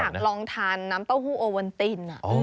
อีกฉันอยากลองทานน้ำเต้าหู้โอเวิลติน